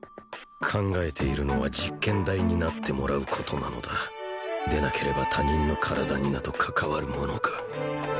考えているのは実験台になってもらうことなのだでなければ他人の体になど関わるものか